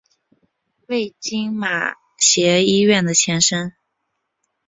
为今马偕医院的前身。